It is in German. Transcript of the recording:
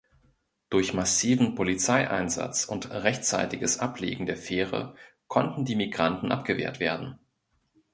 Durch massiven Polizeieinsatz und rechtzeitiges Ablegen der Fähre konnten die Migranten abgewehrt werden.